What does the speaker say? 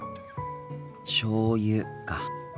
しょうゆか。